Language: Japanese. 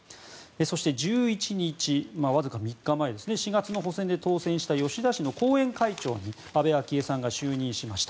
そして１１日、わずか３日前４月の補選で当選した吉田氏の後援会長に安倍昭恵さんが就任しました。